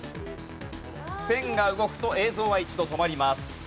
ペンが動くと映像は一度止まります。